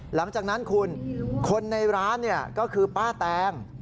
หลังจากนั้นคุณคนในร้านก็คือป้าแตง